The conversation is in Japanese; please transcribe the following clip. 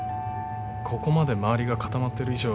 ここまで周りが固まっている以上